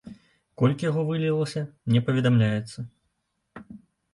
Колькі яго вылілася, не паведамляецца.